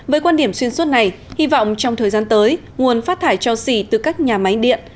với quan điểm xuyên suốt này hy vọng trong thời gian tới nguồn phát thải cho xỉ từ các nhà máy điện